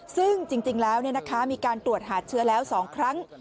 ซึ่งจริงแล้วมีการตรวจหาเชื้อแล้ว๒ครั้ง